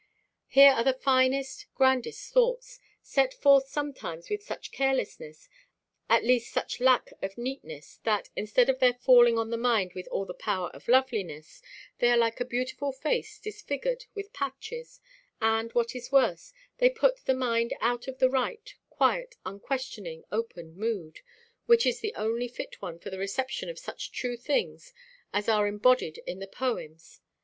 Here are the finest, grandest thoughts, set forth sometimes with such carelessness, at least such lack of neatness, that, instead of their falling on the mind with all their power of loveliness, they are like a beautiful face disfigured with patches, and, what is worse, they put the mind out of the right, quiet, unquestioning, open mood, which is the only fit one for the reception of such true things as are embodied in the poems.